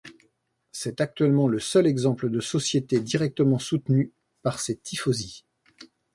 C'est actuellement le seul exemple de société directement soutenue par ses tifosi.